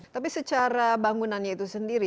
tapi secara bangunannya itu sendiri